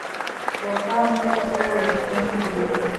پۀ کال نولس سوه ويشتم کښې